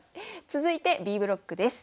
続いてＢブロックです。